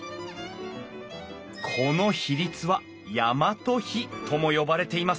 この比率は大和比とも呼ばれています。